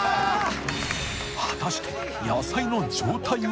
果たして野菜の状態は？